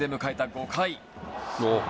５回。